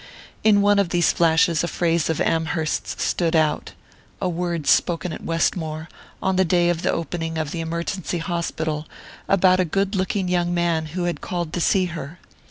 In one of these flashes a phrase of Amherst's stood out a word spoken at Westmore, on the day of the opening of the Emergency Hospital, about a good looking young man who had called to see her.